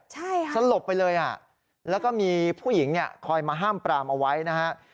ใช่ครับสลบไปเลยแล้วก็มีผู้หญิงคอยมาห้ามปรามเอาไว้นะครับ